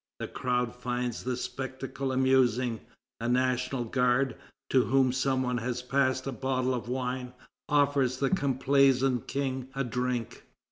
The crowd find the spectacle amusing. A National Guard, to whom some one has passed a bottle of wine, offers the complaisant King a drink.